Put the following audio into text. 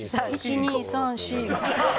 １２３４。